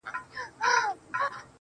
سـتا پـر نـقـش وو قـدم ږدم قـدمونه